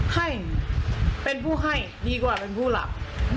ให้เป็นผู้ให้ดีกว่าเป็นผู้หลับ